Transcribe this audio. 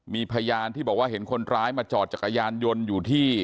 มีพยานที่บอกว่าเห็นคนร้ายมาจอดจักรยานยนต์อยู่ที่